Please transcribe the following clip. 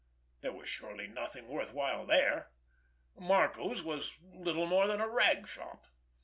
There was surely nothing worth while there! Marco's was little more than a rag shop.